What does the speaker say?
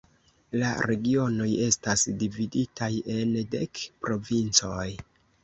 La Regionoj estas dividitaj en dek provincoj.